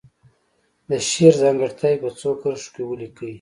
د شعر ځانګړتیاوې په څو کرښو کې ولیکي.